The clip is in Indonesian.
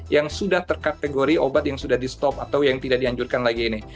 yang sudah terkategori obat yang sudah di stop atau yang tidak dianjurkan lagi ini